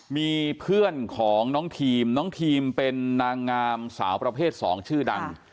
มีเพื่อนของน้องทีมน้องทีมเป็นนางงามสาวประเภท๒ชื่อดัง